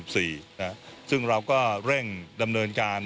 ซึ่งเราก็เร่งดำเนินการ